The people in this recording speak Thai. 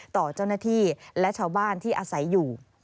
ต่อเจ้าหน้าที่และชาวบ้านที่อาศัยอยู่